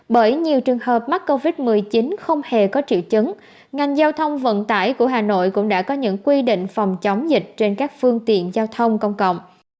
bởi nhiều trường hợp mắc covid một mươi chín không hề có triệu chứng ngành giao thông vận tải của hà nội cũng đã có những quy định phòng chống dịch trên các phương tiện giao thông công cộng